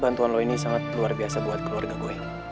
bantuan lo ini sangat luar biasa buat keluarga gue